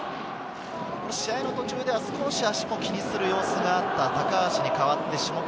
試合の途中では少し足も気にする様子があった高橋に代わって下川。